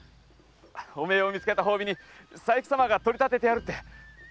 お前を見つけた褒美に佐伯様が取り立ててやるって。